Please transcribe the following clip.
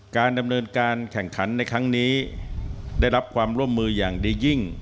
การดำเนินการแข่งขันในครั้งนี้ได้รับความร่วมมืออย่างดียิ่ง